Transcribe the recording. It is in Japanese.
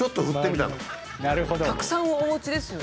たくさんお持ちですよね。